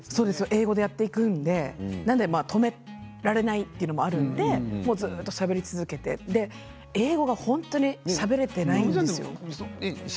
英語なので止められないというのもあってずっとしゃべり続けて英語が本当にしゃべれていないんですよ。